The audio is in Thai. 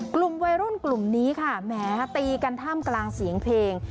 กลุ่มวัยรุ่นกลุ่มนี้ค่ะแหมตีกันท่ามกลางเสียงเพลง